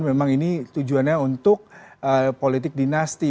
memang ini tujuannya untuk politik dinasti